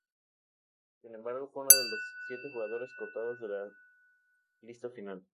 Sin embargo, fue uno de los siete jugadores cortados de la lista final.